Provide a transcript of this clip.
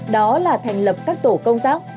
đó là thành lập các tổ công tác